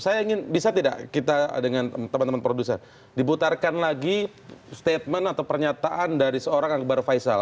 saya ingin bisa tidak kita dengan teman teman produser dibutarkan lagi statement atau pernyataan dari seorang akbar faisal